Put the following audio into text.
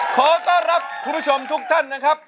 ขอต้อนรับคุณผู้ชมทุกท่านนะครับ